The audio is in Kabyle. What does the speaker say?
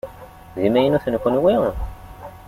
D imaynuten kunwi?